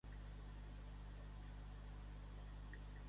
També ha aparegut a la versió britànica de "Thank God You're Here".